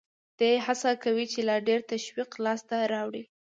دی هڅه کوي چې لا ډېر تشویق لاس ته راوړي